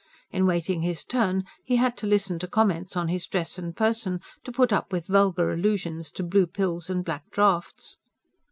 In waiting his turn, he had to listen to comments on his dress and person, to put up with vulgar allusions to blue pills and black draughts.